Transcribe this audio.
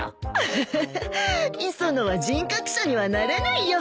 ハハハ磯野は人格者にはなれないよ。